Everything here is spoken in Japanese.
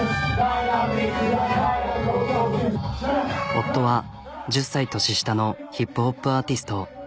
夫は１０歳年下のヒップホップアーティスト。